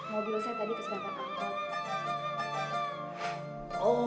pak mobil lo saya tadi keserempet angkot